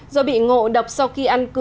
do bị ngộ độc sau khi ăn